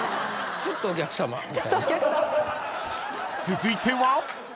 ［続いては］